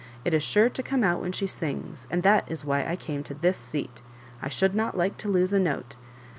It is sure to come out when she sings, and that is why I cam^ to this seat. I should not like to lose a note.